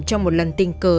trong một lần tình cờ